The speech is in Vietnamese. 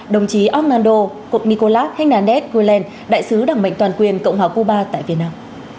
đồng chí orlando cục nicolás hernandez gulen đại sứ đảng mệnh toàn quyền cộng hòa cuba tại việt nam